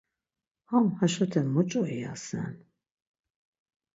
Ham haşote muç̌o iyasen?